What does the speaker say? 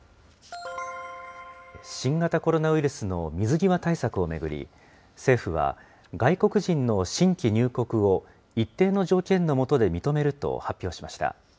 新型コロナウイルスの水際対策を巡り、政府は、外国人の新規入国を一定の条件の下で認めると発表しました。